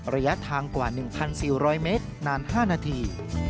ระยะทางกว่า๑๔๐๐เมตรนาน๕นาที